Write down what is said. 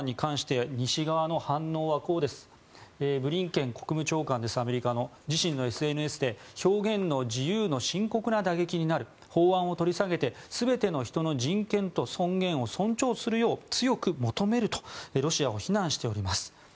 アメリカのブリンケン国務長官は自身のＳＮＳで表現の自由の深刻な打撃になる法案を取り下げて全ての人の人権と尊厳を尊重するよう強く求めるとロシアを非難しています。